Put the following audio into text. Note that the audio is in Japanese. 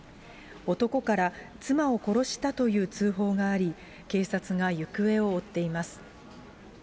男から、妻を殺したという通報があり、警察が行方を追っています。